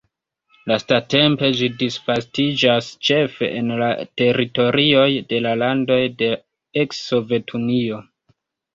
Lastatempe ĝi disvastiĝas ĉefe en la teritorioj de la landoj de eks-Sovetunio.